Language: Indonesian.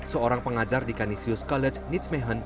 seorang pengajar di canisius college nijmegen